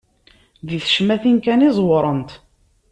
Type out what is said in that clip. Di tecmatin kan i ẓewrent.